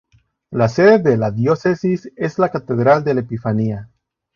La sede de la Diócesis es la Catedral de la Epifanía.